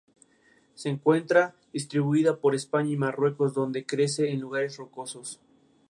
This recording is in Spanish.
En estos períodos estuvo integrando la Comisión permanente de Gobierno y Relaciones Exteriores.